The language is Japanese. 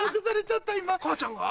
母ちゃんが？